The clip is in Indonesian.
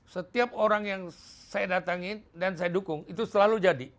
setiap orang yang saya datangin dan saya dukung itu selalu jadi